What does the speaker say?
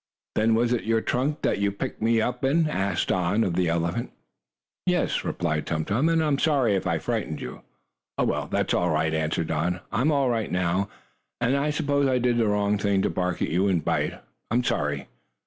"Then was it your trunk that you picked me up in?" asked Don, of the elephant. "Yes," replied Tum Tum, "and I am sorry if I frightened you." "Oh, well, that's all right," answered Don. "I am all right now, and I suppose I did wrong to bark at you, and bite. I am sorry."